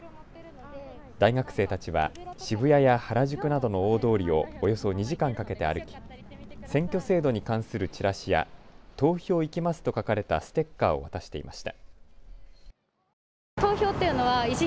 大学生たちは渋谷や原宿などの大通りをおよそ２時間かけて歩き選挙制度に関するチラシや投票行きますと書かれたステッカーを渡していました。